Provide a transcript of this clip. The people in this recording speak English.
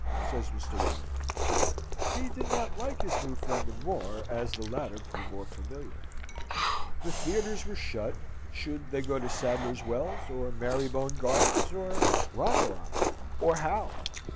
says Mr. Warrington. He did not like his new friend the more as the latter grew more familiar. The theatres were shut. Should they go to Sadler's Wells? or Marybone Gardens? or Ranelagh? or how?